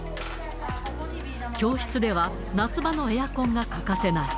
教室では夏場のエアコンが欠かせない。